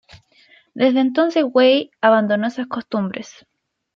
Desde entonces Way abandonó esas costumbres.